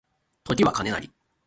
時は金なり